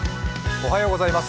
おはようございます。